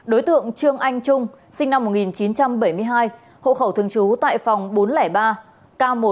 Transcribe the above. đối tượng trương anh trung sinh năm một nghìn chín trăm bảy mươi hai hộ khẩu thường trú tại phòng bốn trăm linh ba ca một